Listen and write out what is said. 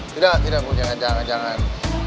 tidak tidak bu jangan jangan